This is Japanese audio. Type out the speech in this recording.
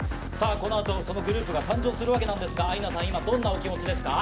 そのあと、そのグループが誕生するわけなんですが、アイナさん、今、どんなお気持ちですか？